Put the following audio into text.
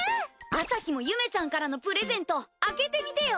朝陽もゆめちゃんからのプレゼント開けてみてよ！